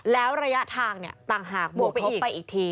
แล้วระยะทางต่างหากบวกลบไปอีกที